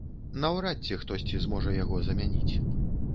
Наўрад ці хтосьці зможа яго замяніць.